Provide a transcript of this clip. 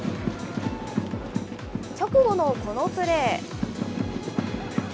直後のこのプレー。